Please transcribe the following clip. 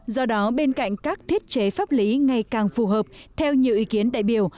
do đó bên cạnh các thiết chế pháp lý ngày càng phù hợp theo nhiều ý kiến đại biểu